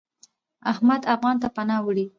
احمد افغانستان ته پناه وړي .